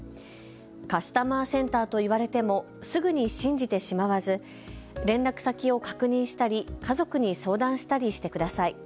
カスタマーセンターと言われてもすぐに信じてしまわず連絡先を確認したり家族に相談したりしてください。